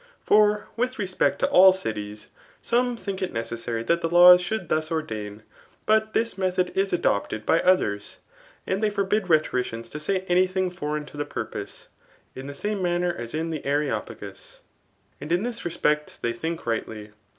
For with respect to all cities, some thhik it necessary thai the laws should thus ordain ; but this method is adopted by others, and they forbid rhetoricians to say any thing foreign to the purpose, in the same manner as in the Areopagus. And in this respect they think rightly.